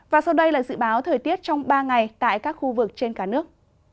và sau đây là dự báo thời tiết trong ba ngày tại các khu vực trên cả nước